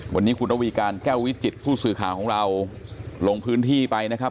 วันนี้คุณระวีการแก้ววิจิตผู้สื่อข่าวของเราลงพื้นที่ไปนะครับ